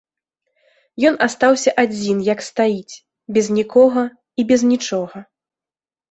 Ён астаўся адзін як стаіць, без нікога і без нічога.